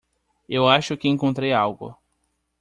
Eu acho que encontrei algo.